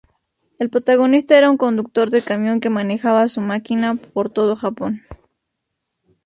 El protagonista era un conductor de camión que manejaba su máquina por todo Japón.